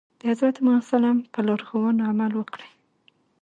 د حضرت محمد ص په لارښوونو عمل وکړي.